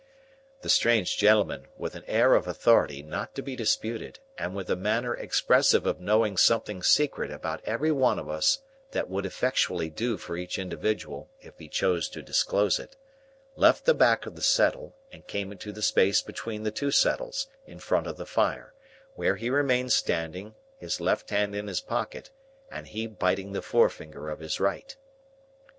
The strange gentleman, with an air of authority not to be disputed, and with a manner expressive of knowing something secret about every one of us that would effectually do for each individual if he chose to disclose it, left the back of the settle, and came into the space between the two settles, in front of the fire, where he remained standing, his left hand in his pocket, and he biting the forefinger of his right.